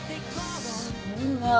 そんな。